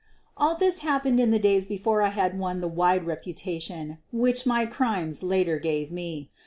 All this happened in the days before I had won the wide reputation which my crimes later gave me.